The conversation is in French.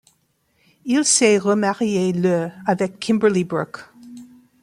Il s'est remarié le avec Kimberly Brook.